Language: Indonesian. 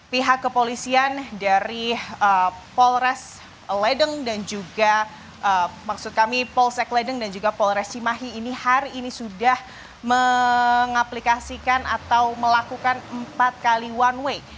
pihak kepolisian dari polres ledeng dan juga maksud kami polsek ledeng dan juga polres cimahi ini hari ini sudah mengaplikasikan atau melakukan empat kali one way